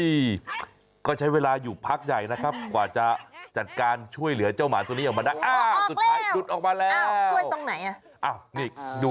มันก็ใช้เวลาอยู่พักใหญ่นะครับกว่าจะจัดการช่วยเหลือเจ้าหมาตัวนี้